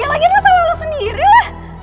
ya lagi ini masalah lo sendiri lah